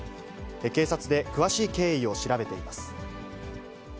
警察で詳しい経緯を調べています。